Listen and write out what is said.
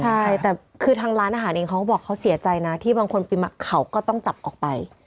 ใช่แต่คือทางร้านอาหารเองเขาก็บอกเขาเสียใจนะที่บางคนเขาก็ต้องจับออกไป